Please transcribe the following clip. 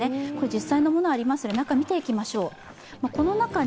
実際のものありますので中を見ていきましょう。